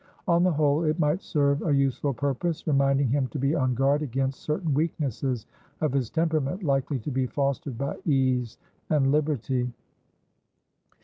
On the whole, it might serve a useful purpose, reminding him to be on guard against certain weaknesses of his temperament, likely to be fostered by ease and liberty.